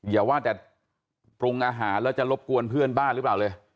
อย่าว่าแต่ปรุงอาหารแล้วจะรบกวนเพื่อนบ้านหรือเปล่าเลย